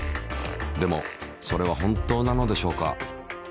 でもそれは本当なのでしょうか。